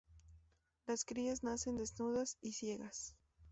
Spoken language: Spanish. Las crías nacen desnudas y ciegas.